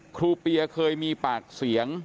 เปียเคยมีปากเสียง